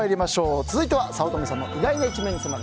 続いては早乙女さんの意外な一面に迫る